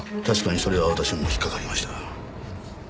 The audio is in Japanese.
確かにそれは私も引っかかりました。